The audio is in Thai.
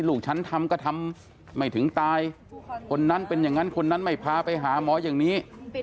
ลูกฉันทำก็ทำไม่ถึงตายคนนั้นเป็นอย่างนั้นคนนั้นไม่พาไปหาหมออย่างนี้